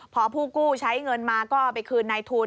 พอผู้กู้ใช้เงินมาก็เอาไปคืนในทุน